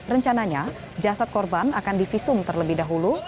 rencananya jasad korban akan divisum terlebih dahulu